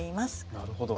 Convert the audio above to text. なるほど。